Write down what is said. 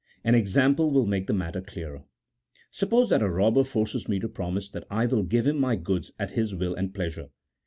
An example will make the matter clearer. Suppose that a robber forces me to promise that I will give him my goods at his will and pleasure.